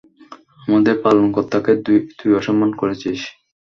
আমাদের পালনকর্তাকে তুই অসম্মান করেছিস!